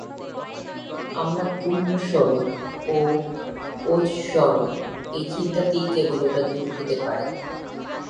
আমরা পূর্ণস্বরূপ ও ওজঃস্বরূপ, এই চিন্তাতেই কেবল ওটা দূর হতে পারে।